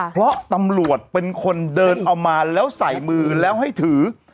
เพราะตำรวจเป็นคนเดินเอามาแล้วใส่มือแล้วให้ถือ